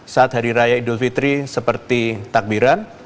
saat hari raya idul fitri seperti takbiran